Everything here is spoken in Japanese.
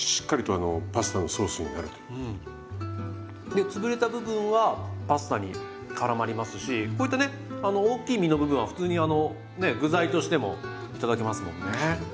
で潰れた部分はパスタにからまりますしこういったね大きい身の部分は普通にね具材としても頂けますもんね。